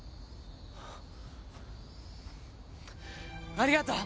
ありがとう！